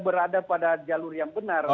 berada pada jalur yang benar